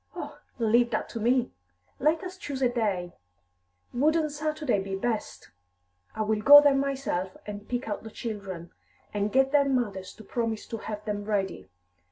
"Oh, leave that to me! Let us choose a day; wouldn't Saturday be best! I will go there myself, and pick out the children, and get their mothers to promise to have them ready.